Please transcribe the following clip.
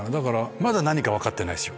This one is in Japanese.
まだ何か分かってないですよ